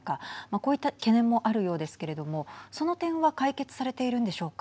こういった懸念もあるようですけれどもその点は解決されているんでしょうか。